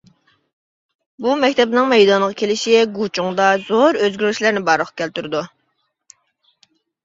بۇ مەكتەپنىڭ مەيدانغا كېلىشى گۇچۇڭدا زور ئۆزگىرىشلەرنى بارلىققا كەلتۈرىدۇ.